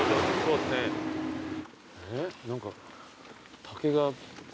えっ？何か。